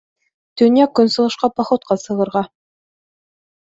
ТӨНЬЯҠ-КӨНСЫҒЫШҠА ПОХОДҠА СЫҒЫРҒА.